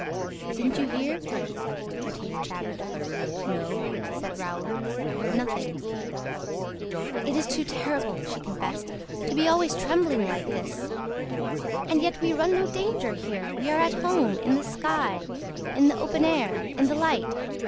"Didn't you hear?" Her teeth chattered. "No," said Raoul, "I heard nothing." "It is too terrible," she confessed, "to be always trembling like this! ... And yet we run no danger here; we are at home, in the sky, in the open air, in the light.